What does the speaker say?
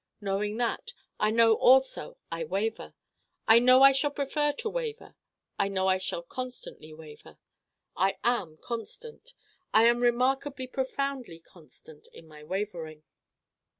Knowing that, I know also I Waver: I know I shall prefer to Waver: I know I shall constantly Waver. I am constant I am remarkably profoundly constant in my Wavering.